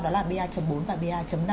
đó là ba bốn và ba năm